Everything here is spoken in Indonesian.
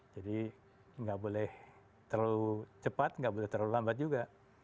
jadi enggak boleh terlalu cepat enggak boleh terlalu lambat juga